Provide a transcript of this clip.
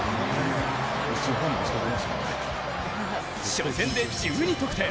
初戦で１２得点。